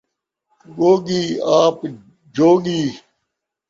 ڳوڳی آپ جوڳی